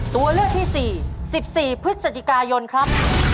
ตัวเลือกที่๔๑๔พฤศจิกายนครับ